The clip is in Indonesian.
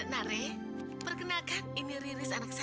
nare perkenalkan ini rilis anak saya